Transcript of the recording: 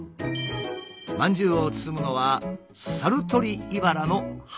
まんじゅうを包むのはサルトリイバラの葉。